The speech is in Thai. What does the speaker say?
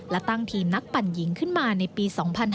และตั้งทีมนักปั่นหญิงขึ้นมาในปี๒๕๕๙